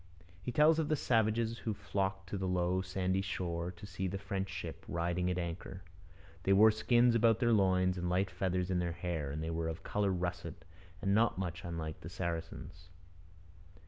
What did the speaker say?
He tells of the savages who flocked to the low sandy shore to see the French ship riding at anchor. They wore skins about their loins and light feathers in their hair, and they were 'of colour russet, and not much unlike the Saracens.'